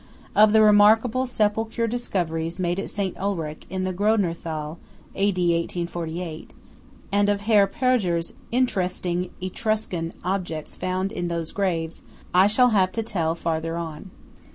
Of the remarkable sepulchral discoveries made at St. Ulrich in the Grödner Thal, A.D. 1848, and of Herr Pürger's interesting Etruscan objects found in those graves, I shall have to tell farther on.